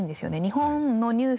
日本のニュース